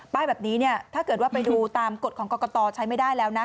แบบนี้เนี่ยถ้าเกิดว่าไปดูตามกฎของกรกตใช้ไม่ได้แล้วนะ